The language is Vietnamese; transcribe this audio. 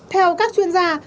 theo các chuyên gia